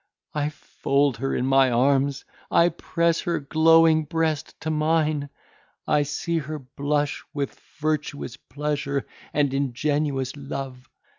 I fold her in my arms! I press her glowing breast to mine! I see her blush with virtuous pleasure and ingenuous love!